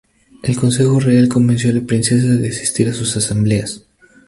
El consejo real convenció a la princesa de asistir a sus asambleas.